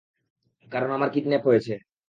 কারন আমার কিডন্যাপ হয়েছে।